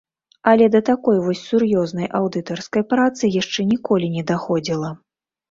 Але да такой вось сур'ёзнай аўдытарскай працы яшчэ ніколі не даходзіла.